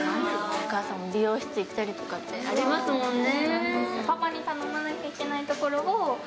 お母さんも美容室行ったりとかってありますもんね。